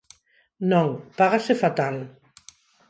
Non, págase fatal.